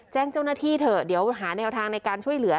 แจ้งเจ้าหน้าที่เถอะเดี๋ยวหาแนวทางในการช่วยเหลือ